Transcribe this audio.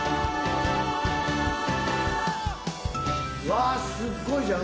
わぁすっごいじゃん